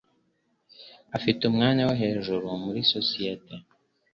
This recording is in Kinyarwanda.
Afite umwanya wo hejuru muri sosiyete.